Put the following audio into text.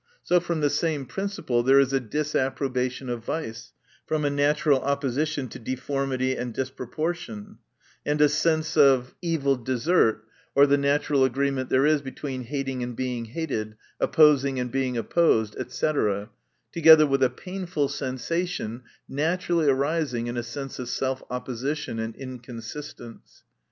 So from the same principle, there is a disapproba tion of vice, from a natural opposition to deformity and disproportion, and a sense of evil desert, or the natural agreement there is between hating and being hated, opposing and being opposed, &c, together with a painful sensation na turally arising in a sense of self opposition and inconsistence.